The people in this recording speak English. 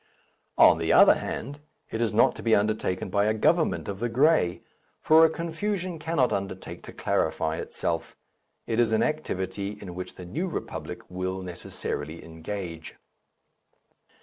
On the other hand, it is not to be undertaken by a government of the grey, for a confusion cannot undertake to clarify itself; it is an activity in which the New Republic will necessarily engage.